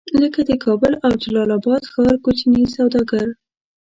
لکه د کابل او جلال اباد ښار کوچني سوداګر.